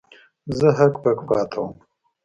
زه هک پک پاتې وم.